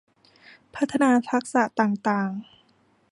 พัฒนาทักษะต่างต่าง